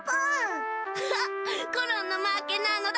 アハハコロンのまけなのだ。